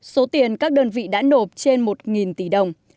số tiền các đơn vị đã nộp trên một tỷ đồng